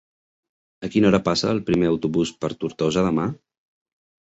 A quina hora passa el primer autobús per Tortosa demà?